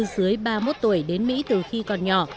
dưới ba mươi một tuổi đến mỹ từ khi còn nhỏ